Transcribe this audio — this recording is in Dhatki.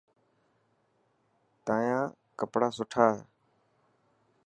تايان ڪيڙا سٺا هي.